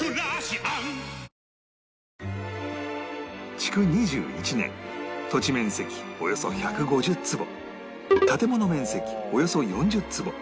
築２１年土地面積およそ１５０坪建物面積およそ４０坪